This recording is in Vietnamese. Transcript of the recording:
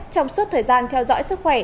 trong suốt thời gian theo dõi sức khỏe